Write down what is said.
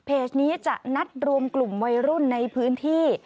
นี้จะนัดรวมกลุ่มวัยรุ่นในพื้นที่